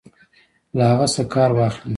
له هغه څخه کار واخلي.